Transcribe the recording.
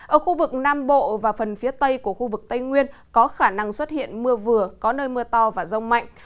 ở khu vực nam bộ và phần phía tây của khu vực tây nguyên có khả năng xuất hiện mưa vừa có nơi mưa to và rông mạnh